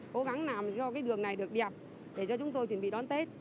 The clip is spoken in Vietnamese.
cố gắng làm cho cái đường này được đẹp để cho chúng tôi chuẩn bị đón tết